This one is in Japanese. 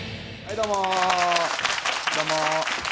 どうも。